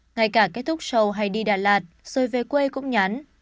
ngay cả kết thúc sầu hay đi đà lạt rồi về quê cũng nhắn